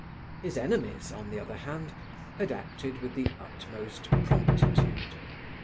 His enemies, on the other hand, had acted with the utmost promptitude.